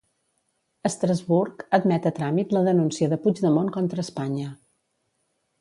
Estrasburg admet a tràmit la denúncia de Puigdemont contra Espanya.